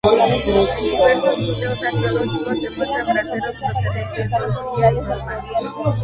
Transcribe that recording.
En diversos museos arqueológicos, se muestran braseros procedentes de Etruria y Roma.